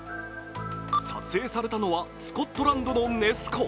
撮影されたのはスコットランドのネス湖。